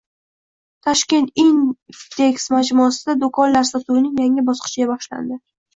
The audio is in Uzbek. Tashkent Index majmuasida do‘konlar sotuvining yangi bosqichi boshlandi